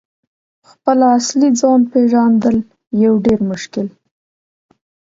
» خپل اصلي ځان « پیژندل یو ډیر مشکل